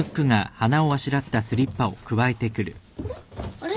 あれ？